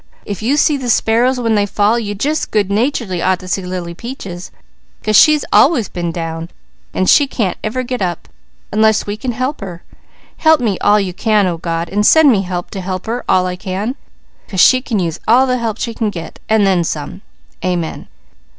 If You see the sparrows when they fall, You jest good naturedly ought to see Lily Peaches, 'cause she's always been down, and she can't ever get up, unless we can help her. Help me all You can O God, and send me help to help her all I can, 'cause she can use all the help she can get, and then some! Amen!"